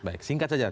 baik singkat saja